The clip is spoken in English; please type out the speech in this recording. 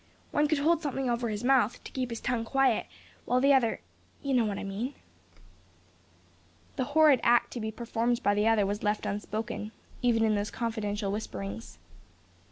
One could hold something over his mouth, to keep his tongue quiet; while the other You know what I mean?" The horrid act to be performed by the other was left unspoken, even in those confidential whisperings.